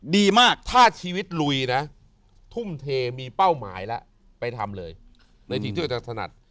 ดีมากถ้าชีวิตลุยนะทุ่มเทมีเป้าหมายแล้วไปทำเลยในสิ่งที่เราจะถนัด